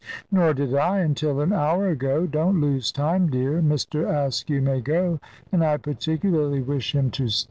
"Nor did I until an hour ago. Don't lose time, dear. Mr. Askew may go, and I particularly wish him to stay."